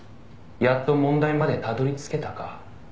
「やっと問題までたどり着けたか」